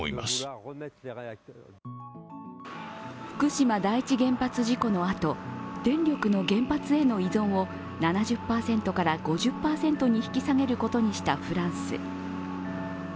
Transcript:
福島第一原発事故の後電力の原発への依存を７０％から５０％に引き下げることにしたフランス。